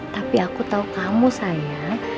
tapi aku tahu kamu sayang